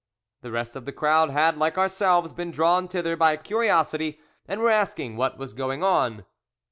The rest of the crowd had, like ourselves, been drawn thither by curiosity, and were asking what was going on.